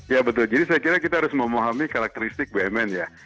ya betul jadi saya kira kita harus memahami karakteristik bumn ya